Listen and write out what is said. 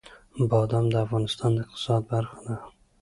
بادام د افغانستان د اقتصاد برخه ده.